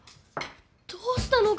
どうしたの？